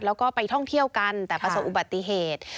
แล้วก็ไปท่องเที่ยวกันแต่ประสบอุบัติเหตุ